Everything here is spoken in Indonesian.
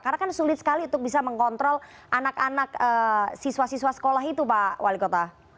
karena kan sulit sekali untuk bisa mengontrol anak anak siswa siswa sekolah itu pak wali kota